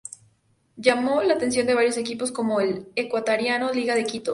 Llamó la atención de varios equipos como el ecuatoriano Liga de Quito.